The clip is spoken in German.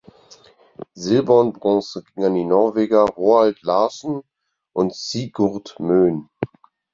Silber und Bronze ging an die Norweger Roald Larsen und Sigurd Moen.